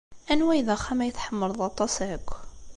Anwa ay d axxam ay tḥemmleḍ aṭas akk?